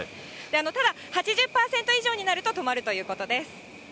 ただ８０％以上になると止まるということです。